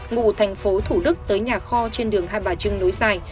ngụ thành phố thủ đức tới nhà kho trên đường hai bà trưng nối dài